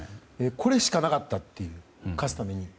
これしかなかった勝つために。